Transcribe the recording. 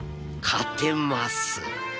勝てます。